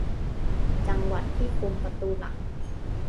จังหวัดที่คุมประตูหลัก